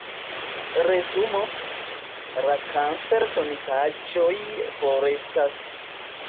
Resumo: la kancer-donitaĵoj forestas.